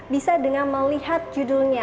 bisa dengan melihat judulnya